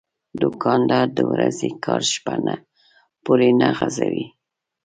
دوکاندار د ورځې کار شپه نه پورې نه غځوي.